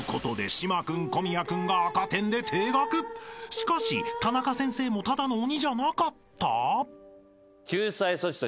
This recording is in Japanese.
［しかしタナカ先生もただの鬼じゃなかった？］